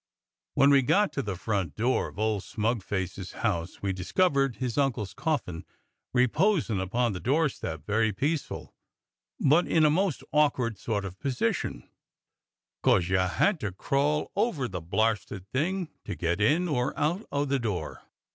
When we got to the front door of old smug face's house we discovered his uncle's coffin reposin' upon the doorstep very peaceful but in a most awkward sort of position, 'cos you had to crawl over the blarsted thing to get in or out o' the door."